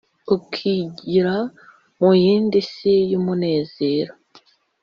ukigira mu yindi si yu munezero.